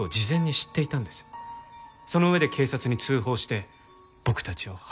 その上で警察に通報して僕たちをはめた。